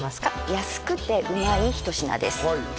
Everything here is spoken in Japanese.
安くてうまい一品です